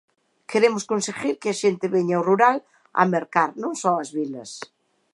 Queremos conseguir que a xente veña ao rural a mercar, non só ás vilas.